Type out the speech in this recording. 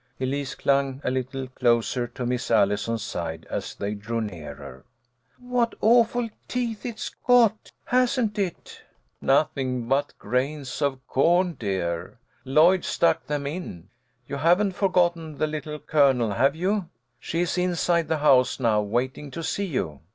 Elise clung a little closer to Miss Allison's side as they drew nearer. "What awful teeth it's got, hasn't it ?"" Nothing but grains of corn, dear. Lloyd stuck them in. You haven't forgotten the Little Colonel, have you ? She is inside the house now, waiting to see you."